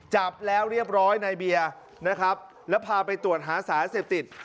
จับแล้วเรียบร้อยในเบียร์นะครับแล้วพาไปตรวจหาสารเสพติด